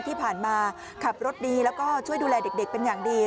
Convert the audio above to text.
ที่ผ่านมาขับรถดีแล้วก็ช่วยดูแลเด็กเป็นอย่างดี